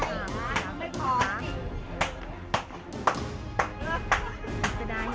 คนธรรมมสิทธิ์แพง